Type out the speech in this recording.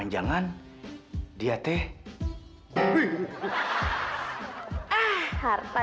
nah nah loh